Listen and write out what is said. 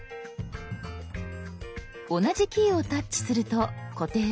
同じキーをタッチすると固定は解除。